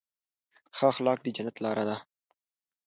ښه اخلاق د جنت لاره ده.